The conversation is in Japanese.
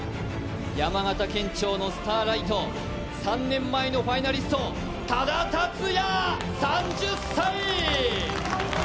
山形県庁のスターライト、３年前のファイナリスト、多田竜也３０歳。